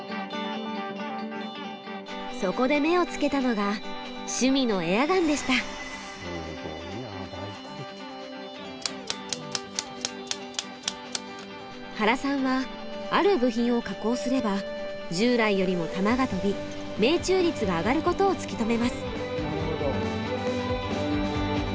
そこで目をつけたのが趣味の原さんはある部品を加工すれば従来よりも弾が飛び命中率が上がることを突き止めます。